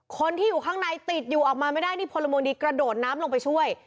คนที่อยู่ข้างในติดอยู่ออกมาไม่ได้นี่พลเมืองดีกระโดดน้ำลงไปช่วย